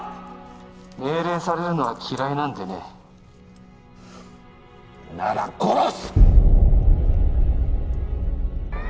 命令されるのは嫌いなんでねなら殺す！